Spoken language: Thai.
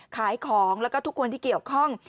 ขายของแล้วก็ทุกคนที่เกี่ยวข้อง